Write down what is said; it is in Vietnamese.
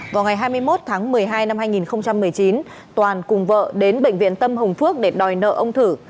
vào ngày hai mươi một tháng một mươi hai năm hai nghìn một mươi chín toàn cùng vợ đến bệnh viện tâm hồng phước để đòi nợ ông thử